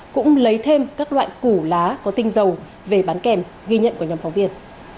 cũng lấy thêm các loại củ lá có tinh dầu về bán kèm ghi nhận của nhóm phóng viên